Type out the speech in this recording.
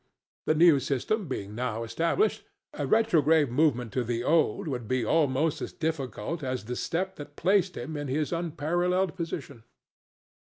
The new system being now established, a retrograde movement to the old would be almost as difficult as the step that placed him in his unparalleled position.